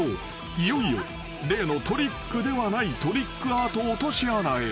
［いよいよ例のトリックではないトリックアート落とし穴へ］